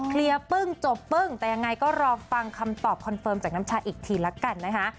เคลียร์ปึ้งจบปึ้งแต่ยังไงก็รอฟังคำตอบคอนเฟิร์มอีกทีละกันนะคะ